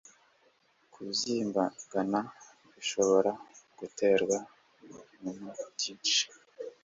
kubyimbagana bishobora guterwa n'ibintu byinshi